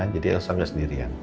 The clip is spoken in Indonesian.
jadi elsa bisa sendirian